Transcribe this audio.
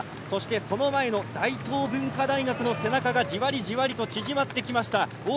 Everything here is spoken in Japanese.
その前の大東文化大学の背中がじわりじわりと縮まってきました